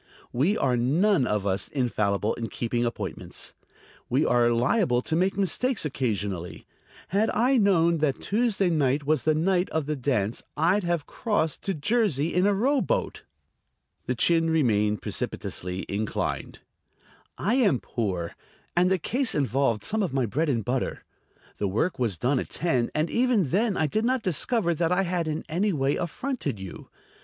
"We are none of us infallible in keeping appointments. We are liable to make mistakes occasionally. Had I known that Tuesday night was the night of the dance I'd have crossed to Jersey in a rowboat." The chin remained precipitously inclined. "I am poor, and the case involved some of my bread and butter. The work was done at ten, and even then I did not discover that I had in any way affronted you.